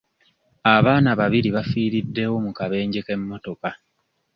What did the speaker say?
Abaana babiri bafiiriddewo mu kabenje k'emmotoka.